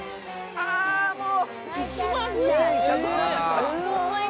あもう。